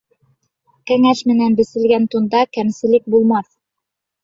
Кәңәш менән беселгән тунда кәмселек булмаҫ.